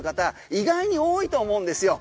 意外に多いと思うんですよ。